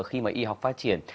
khi mà y học phát triển